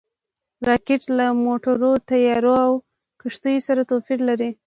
راکټ له موټرو، طیارو او کښتیو سره توپیر لري